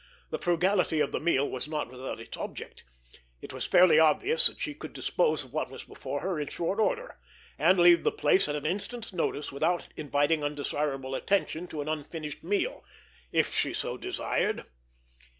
The frugality of the meal was not without its object. It was fairly obvious that she could dispose of what was before her in short order, and leave the place at an instant's notice without inviting undesirable attention to an unfinished meal—if she so desired!